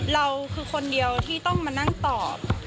เราคือคนเดียวที่ต้องมานั่งตอบ